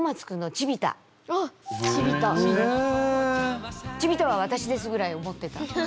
「チビ太は私です」ぐらい思ってた。